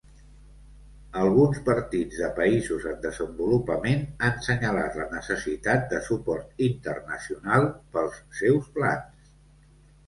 Alguns partits de països en desenvolupament han senyalat la necessitat de suport internacional pels seus plans.